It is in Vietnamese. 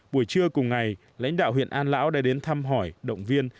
buổi trưa cùng ngày lãnh đạo huyện an lão đã đến thăm hỏi động viên